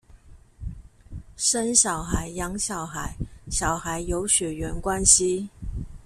生小孩、養小孩、小孩有血緣關係